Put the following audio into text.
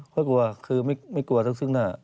ค่อยกลัวคือไม่กลัวซึ่งหน้า